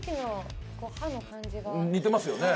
似てますよね。